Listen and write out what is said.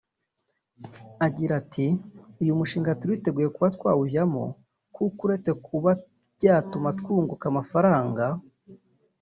Agira ati “Uyu mushinga turiteguye kuba twawujyamo kuko uretse kuba byatuma twunguka amafaranga